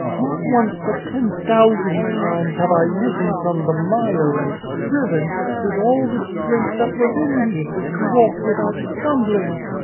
Not once, but ten thousand times, have I risen from the mire, and striven, with all 'the strength that was in me, to walk without stumbling.